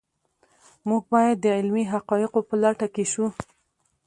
موږ باید د علمي حقایقو په لټه کې شو.